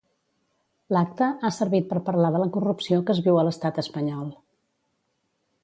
L'acte ha servit per parlar de la corrupció que es viu a l'Estat espanyol.